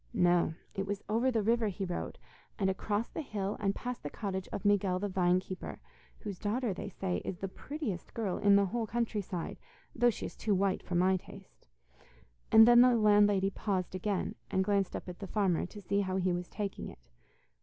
No, it was over the river he rode, and across the hill and past the cottage of Miguel the vine keeper, whose daughter, they say, is the prettiest girl in the whole country side, though she is too white for my taste,' and then the landlady paused again, and glanced up at the farmer, to see how he was taking it.